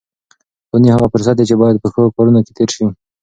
ځواني هغه فرصت دی چې باید په ښو کارونو کې تېر شي.